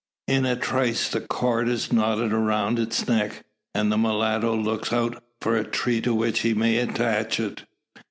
In a trice the cord is knotted around its neck; and the mulatto looks out for a tree to which he may attach it.